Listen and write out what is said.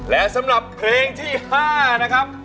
และสำหรับเพลงที่๕นะครับ